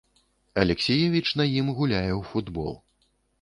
Алексіевіч на ім гуляе ў футбол.